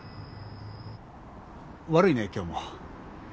悪いね今日も。